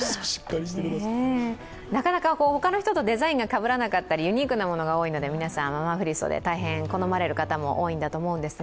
なかなか他の人とデザインがかぶらなかったりユニークなものが多いので皆さん、ママ振り袖、大変好まれる方も多いかと思います。